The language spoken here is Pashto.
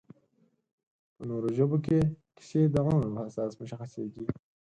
په نورو ژبو کې کیسې د عمر په اساس مشخصېږي